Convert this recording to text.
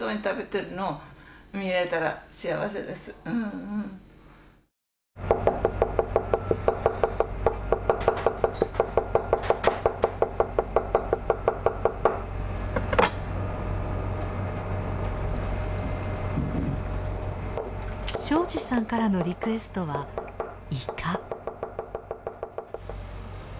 お父さんがね庄司さんからのリクエストはイカ。